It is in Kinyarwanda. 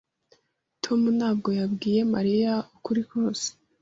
Tom ntabwo yabwiye Mariya ukuri kose.